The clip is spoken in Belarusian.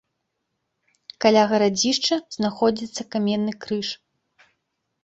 Каля гарадзішча знаходзіцца каменны крыж.